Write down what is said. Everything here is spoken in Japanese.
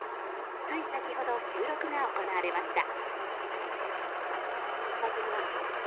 つい先ほど、収録が行われました。